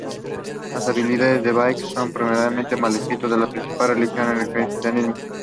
Los habitantes de Biak son predominantemente melanesios y la principal religión es el cristianismo.